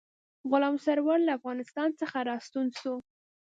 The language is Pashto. غلام سرور له افغانستان څخه را ستون شو.